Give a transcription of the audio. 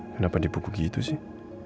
kenapa di buku gitu sih